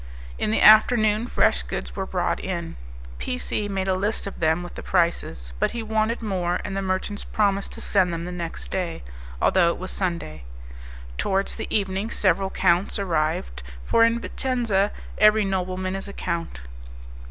In the afternoon fresh goods were brought in; P C made a list of them with the prices; but he wanted more, and the merchants promised to send them the next day, although it was Sunday. Towards the evening several counts arrived, for in Vicenza every nobleman is a count.